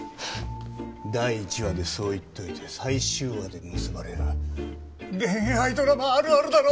第１話でそう言っといて最終話で結ばれる恋愛ドラマあるあるだろ。